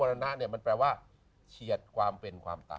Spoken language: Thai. ตั้งแต่เด็กน้อยตั้งแต่๓ขวบ